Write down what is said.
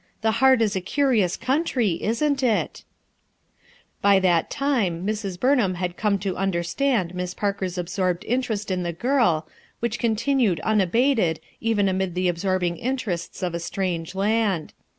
the heart is a curious country, isn't it?" A LOYAL HEART 2S3 By that time Mrs. Burnhaiu had come to understand Miss Parker's absorbed interest in the girl, which continued unabated even amid the absorbing interests of a strange land.